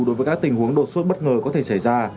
đối với các tình huống đột xuất bất ngờ có thể xảy ra